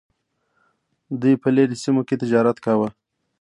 دوی په لرې سیمو کې تجارت کاوه